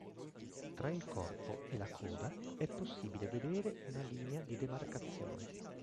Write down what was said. Fra il corpo e la coda è possibile vedere una linea di demarcazione.